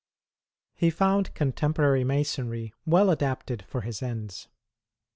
He found contemporary Masomy well adapted for his ends.